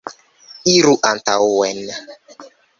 Iru antaŭen.